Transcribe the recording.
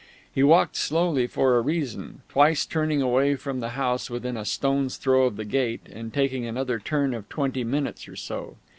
He walked slowly for a reason, twice turning away from the house within a stone's throw of the gate and taking another turn of twenty minutes or so.